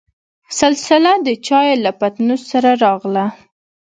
سلسله دچايو له پتنوس سره راغله.